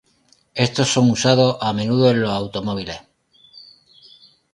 Estos son usados a menudo en los automóviles.